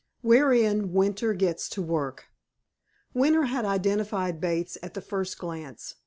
Wherein Winter Gets to Work Winter had identified Bates at the first glance.